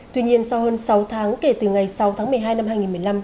tuy nhiên sau hơn sáu tháng kể từ ngày sáu tháng một mươi hai năm hai nghìn một mươi năm